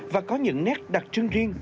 và có những nét đặc trưng riêng